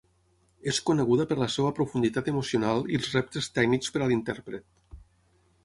És coneguda per la seva profunditat emocional i els reptes tècnics per a l'intèrpret.